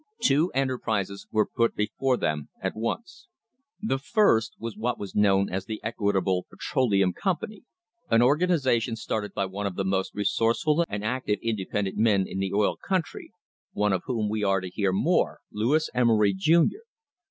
Two enterprises were put before them at once. The first was what was known as the Equitable Petroleum Com pany, an organisation started by one of the most resourceful and active independent men in the oil country, one of whom we are to hear more, Lewis Emery, Jr.